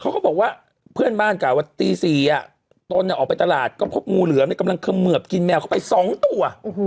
เขาก็บอกว่าเพื่อนบ้านกล่าวว่าตี๔ตนออกไปตลาดก็พบงูเหลือมกำลังเขมือบกินแมวเข้าไป๒ตัว